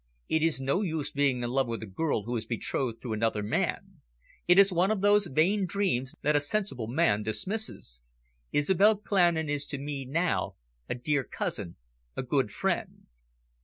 "It is no use being in love with a girl who is betrothed to another man. It is one of those vain dreams that a sensible man dismisses. Isobel Clandon is to me now a dear cousin, a good friend."